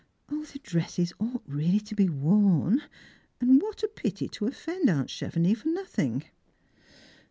0, the dresses ought really to be worn; and what a pity to offend aunt Chevenix for nothing